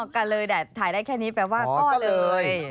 กันเลยแต่ถ่ายได้แค่นี้แปลว่าก็เลย